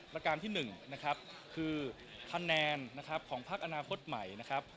ประการที่๑นะครับคือคะแนนนะครับของพักอนาคตใหม่นะครับ